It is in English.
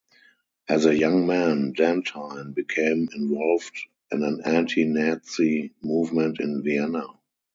As a young man, Dantine became involved in an anti-Nazi movement in Vienna.